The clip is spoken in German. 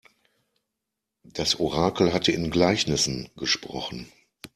Das Orakel hatte in Gleichnissen gesprochen.